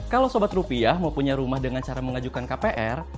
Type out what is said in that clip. kalau sobat rupiah mempunyai rumah dengan cara mengajukan kpr